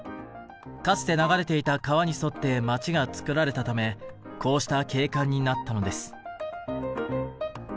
かつて流れていた川に沿って街がつくられたためこうした景観になったのです。